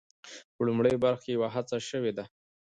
په لومړۍ برخه کې یوه هڅه شوې ده.